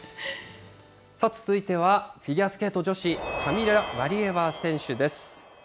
続いてはフィギュアスケート女子、カミラ・ワリエワ選手です。